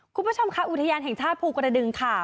คุณผู้ชมค่ะอุทยานแห่งชาติภูกระดึงค่ะ